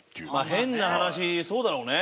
変な話そうだろうね。